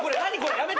やめて！